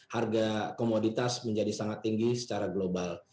harga komoditas menjadi sangat tinggi secara global